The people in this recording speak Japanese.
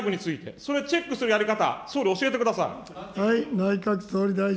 それをチェックするやり方、総理、教えてください。